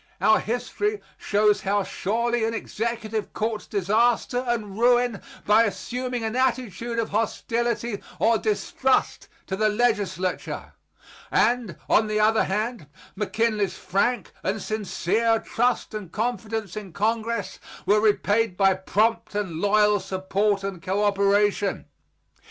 Our history shows how surely an executive courts disaster and ruin by assuming an attitude of hostility or distrust to the Legislature; and, on the other hand, McKinley's frank and sincere trust and confidence in Congress were repaid by prompt and loyal support and coöperation.